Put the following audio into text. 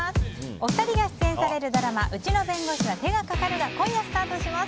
お二人が出演されるドラマ「うちの弁護士は手がかかる」が今夜スタートします。